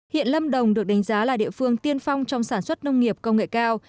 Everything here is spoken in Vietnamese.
hiện lâm đồng được đánh giá là địa phương tiên phong trong sản xuất nông nghiệp công nghệ cao